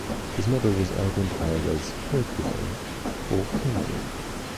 His mother was identified as Periclymene or Clymene.